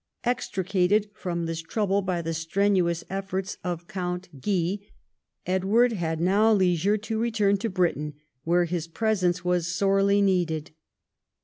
Extricated from this trouble by the strenuous efforts of Count Guy, Edward had now leisure to return to Britain, where his presence was sorely needed.